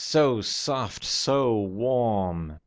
so soft, so warm.